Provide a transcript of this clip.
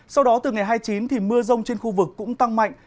sau đó từ ngày hai mươi chín thì mưa rông trên khu vực cũng tăng mạnh